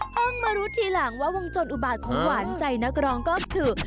มารู้ทีหลังว่าวงจรอุบาตของหวานใจนักร้องก็คือ